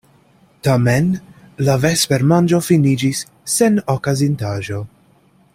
Tamen la vespermanĝo finiĝis sen okazintaĵo.